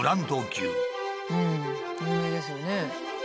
うん有名ですよね。